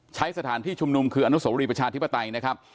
ใช้สถานที่ชุมนุมคืออนุโสรีประชาธิปไตยนะครับ